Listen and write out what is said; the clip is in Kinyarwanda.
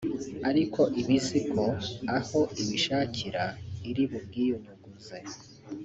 ariko iba izi ko aho ibishakira iri bubwiyunyuguze